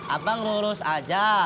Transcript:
abang lurus aja